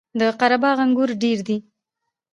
د قره باغ انګور ډیر دي